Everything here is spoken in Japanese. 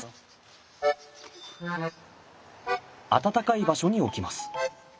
暖かい場所に置きます。